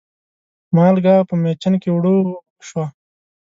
مالګه په مېچن کې اوړه و اوبه شوه.